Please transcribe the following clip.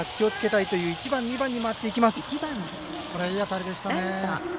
いい当たりでしたね。